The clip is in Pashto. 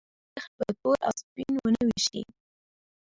نور دې خلک په تور او سپین ونه ویشي.